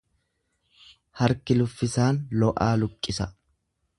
Arki luffisaan lo'aa luqqisa.